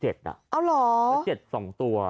เอาเหรอเหลือ๗สองตัว